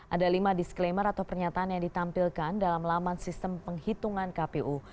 ada lima disclaimer atau pernyataan yang ditampilkan dalam laman sistem penghitungan kpu